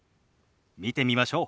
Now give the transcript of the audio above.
見てみましょう。